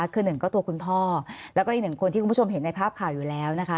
คือหนึ่งก็ตัวคุณพ่อแล้วก็อีกหนึ่งคนที่คุณผู้ชมเห็นในภาพข่าวอยู่แล้วนะคะ